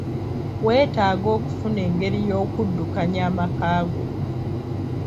Weetaaga okufuna engeri y'okuddukaanya amaka go.